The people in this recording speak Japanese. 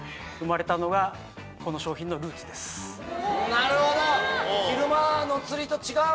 なるほど！